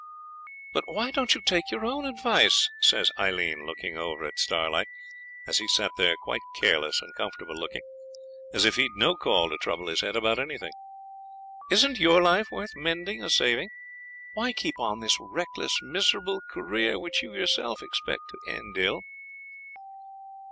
'But why don't you take your own advice?' said Aileen, looking over at Starlight as he sat there quite careless and comfortable looking, as if he'd no call to trouble his head about anything. 'Isn't your life worth mending or saving? Why keep on this reckless miserable career which you yourself expect to end ill?'